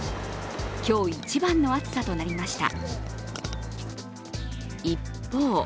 今日一番の暑さとなりました。